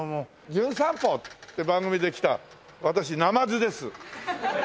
『じゅん散歩』って番組で来た私ナマズです。